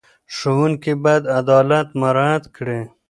ښوونکي باید عدالت مراعت کړي.